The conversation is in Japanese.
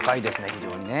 非常にね。